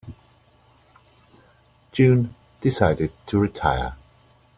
June decided to retire.